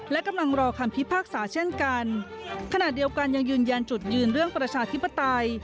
และกำลังรอคำพิพากษาเช่นกันขณะเดียวกันยังยืนยันจุดยืนเรื่องประชาธิปไตย